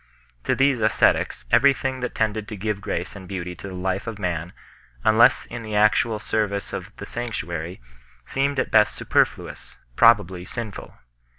To these ascetics everything that tended to give grace and beauty to the life of man, un less in the actual service of the sanctuary, seemed at best superfluous, probably sinful.